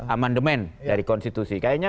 amandemen dari konstitusi kayaknya